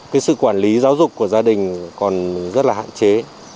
cái sự quản lý giáo dục của gia đình còn rất là hạn chế